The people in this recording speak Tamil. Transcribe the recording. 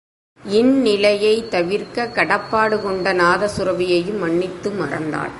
இந்நிலையைத் தவிர்க்கக் கடப்பாடு கொண்ட நாதசுரபியையும் மன்னித்து மறந்தாள்.